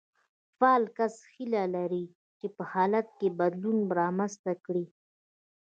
فعال کس هيله لري چې په حالت کې بدلون رامنځته کړي.